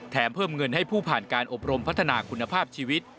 เพิ่มเงินให้ผู้ผ่านการอบรมพัฒนาคุณภาพชีวิต